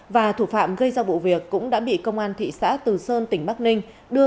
và thủ phạm gây ra vụ việc cũng đã bị công an thị xã từ sơn tỉnh bắc ninh